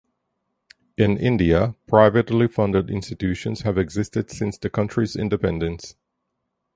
In India, privately funded institutions have existed since the country's independence.